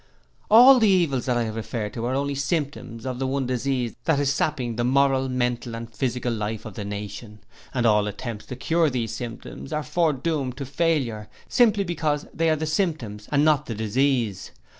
'All the evils that I have referred to are only symptoms of the one disease that is sapping the moral, mental and physical life of the nation, and all attempts to cure these symptoms are foredoomed to failure, simply because they are the symptoms and not the disease.